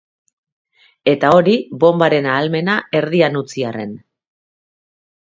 Eta hori, bonbaren ahalmena erdian utzi arren.